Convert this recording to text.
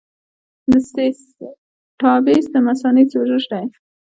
د سیسټایټس د مثانې سوزش دی.